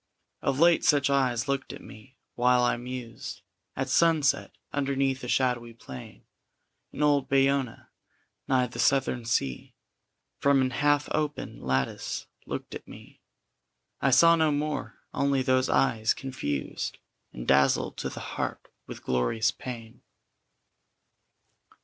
Of late such eyes looked at me while I mused At sunset, underneath a shadowy plane In old Bayona, nigh the Southern Sea From an half open lattice looked at me. I saw no more only those eyes confused And dazzled to the heart with glorious pain.